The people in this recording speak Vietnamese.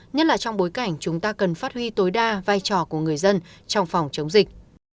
nhất là trong bối cảnh chúng ta cần phát huy tối đa vai trò của người dân trong phòng chống dịch